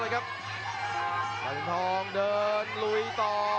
ลินทองเดินลุยต่อ